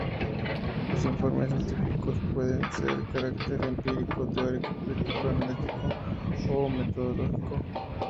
Los informes científicos pueden ser de carácter empírico, teórico, crítico, analítico o metodológico.